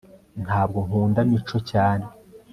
ntabwo nkunda mico cyane